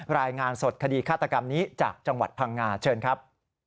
รายงานสดคดีฆาตกรรมนี้จากจังหวัดพังงาเชิญครับ